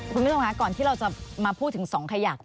คุณผู้ชมค่ะก่อนที่เราจะมาพูดถึง๒ขยัก